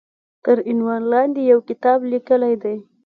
تر عنوان لاندې يو کتاب ليکلی دی